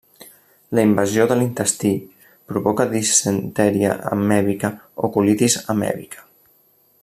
La invasió de l'intestí provoca disenteria amèbica o colitis amèbica.